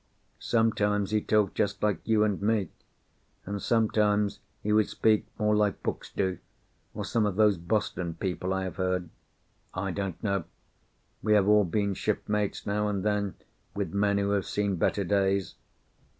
Sometimes he talked just like you and me, and sometimes he would speak more like books do, or some of those Boston people I have heard. I don't know. We have all been shipmates now and then with men who have seen better days.